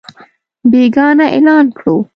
بېګناه اعلان کړو.